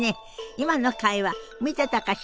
今の会話見てたかしら？